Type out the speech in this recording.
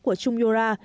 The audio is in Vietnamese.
của chung yo ra